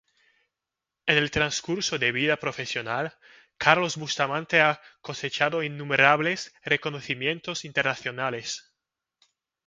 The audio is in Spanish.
En el transcurso de vida profesional, Carlos Bustamante ha cosechado innumerables reconocimientos internacionales.